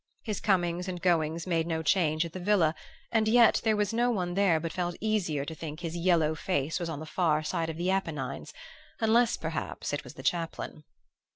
His comings and goings made no change at the villa, and yet there was no one there but felt easier to think his yellow face was on the far side of the Apennines, unless perhaps it was the chaplain.